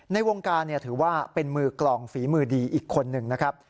ในวงการถือว่าเป็นมือกล่องฝีมือดีอีกคนหนึ่งนะครับ